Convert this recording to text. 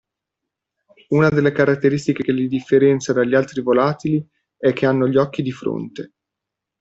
Una delle caratteristiche che lì differenza dagli altri volatili è che hanno gli occhi di fronte.